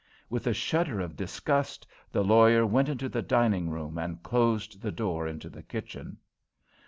With a shudder of disgust the lawyer went into the dining room and closed the door into the kitchen.